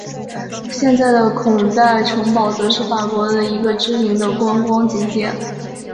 现在的孔代城堡则是法国的一个知名的观光景点。